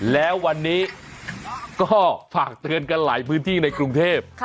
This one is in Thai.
แล้ววันนี้ก็ฝากเตือนกันหลายพื้นที่ในกรุงเทพ